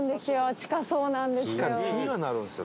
近そうなんですよ。